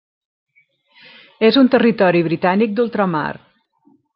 És un Territori Britànic d'Ultramar.